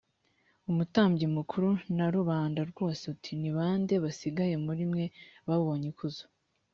umutambyi mukuru na rubanda rwose uti ni ba nde basigaye muri mwe babonye ikuzo